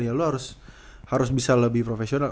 ya lo harus bisa lebih profesional